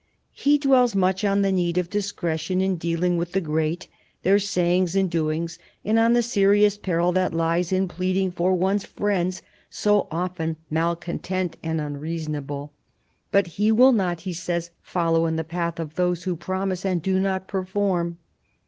He dwells much on the need of discretion in dealing with the great, their sayings and doings, and on the serious peril that lies in pleading for one's friends, so often mal content and unreasonable. But he will not, he says, follow in the path of those who promise and do not perform.